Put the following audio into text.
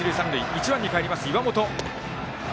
１番にかえります、岩本。